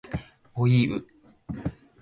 おいう